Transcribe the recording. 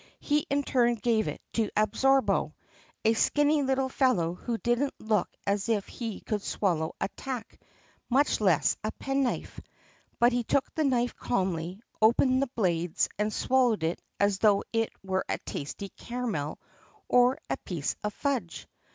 He in turn gave it to Absorbo, a skinny little fellow who didn't look as if he could swallow a tack, much less a penknife. But he took the knife calmly, opened the blades, and swallowed it as though it were a tasty caramel or a piece of fudge.